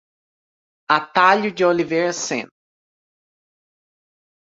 Atalio de Oliveira Sena